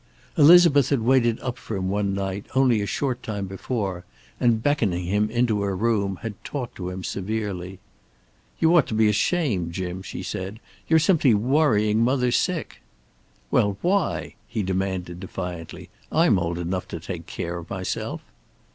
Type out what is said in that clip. Elizabeth had waited up for him one night, only a short time before, and beckoning him into her room, had talked to him severely. "You ought to be ashamed, Jim," she said. "You're simply worrying mother sick." "Well, why?" he demanded defiantly. "I'm old enough to take care of myself."